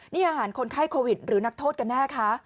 นี่อาหารคนไข้โควิดหรือนักโทษกันแน่คะ